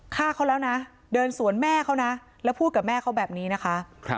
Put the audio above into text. ฆ่าเขาแล้วนะเดินสวนแม่เขานะแล้วพูดกับแม่เขาแบบนี้นะคะ